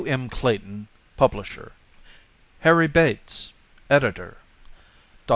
M. CLAYTON, Publisher HARRY BATES, Editor DR.